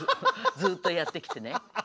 ずっとやってきてね。